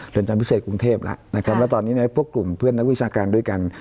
เรือนจำพิเศษกรุงเทพฯแล้วตอนนี้พวกกลุ่มเพื่อนนักวิชาการด้วยกัน